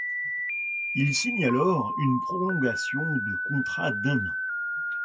Il signe alors une prolongation de contrat d'un an.